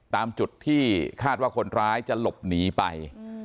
ตามจุดที่คาดว่าคนร้ายจะหลบหนีไป